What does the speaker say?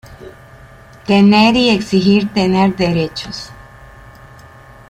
Tener y exigir tener derechos.